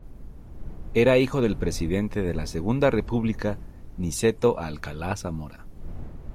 Era hijo del presidente de la Segunda República Niceto Alcalá-Zamora.